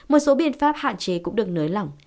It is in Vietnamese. một số biện pháp hạn chế cũng được nới lỏng